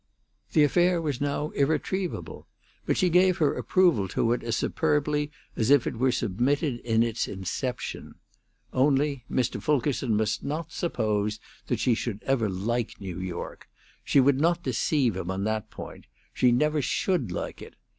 The affair was now irretrievable, but she gave her approval to it as superbly as if it were submitted in its inception. Only, Mr. Fulkerson must not suppose she should ever like New York. She would not deceive him on that point. She never should like it.